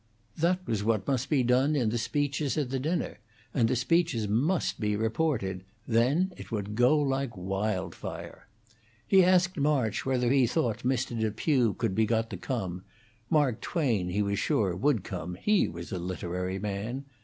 That was what must be done in the speeches at the dinner, and the speeches must be reported. Then it would go like wildfire. He asked March whether he thought Mr. Depew could be got to come; Mark Twain, he was sure, would come; he was a literary man.